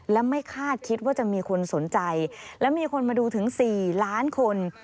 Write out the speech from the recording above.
และไม่คาดคิดว่าจะมีคนสนใจและมีคนมาดูถึง๔ล้านคน